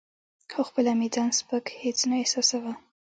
خو خپله مې ځان سپک هیڅ نه احساساوه.